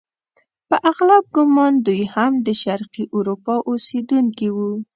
په اغلب ګومان دوی هم د شرقي اروپا اوسیدونکي وو.